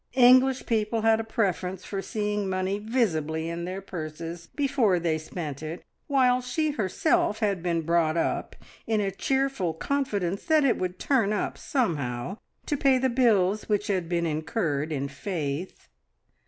English people had a preference for seeing money visibly in their purses before they spent it, while she herself had been brought up in a cheerful confidence that it would "turn up" somehow to pay the bills which had been incurred in faith.